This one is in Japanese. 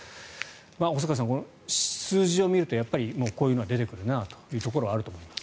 細川さん、数字を見るとやっぱりこういうのは出てくるなというところはあると思います。